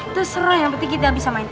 terserah yang penting kita bisa main